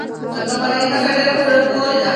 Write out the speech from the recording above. د قمرۍ هڅه ډېره په زړه پورې ده.